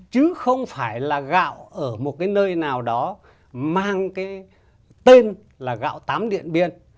chứ không phải là gạo ở một cái nơi nào đó mang cái tên là gạo tám điện biên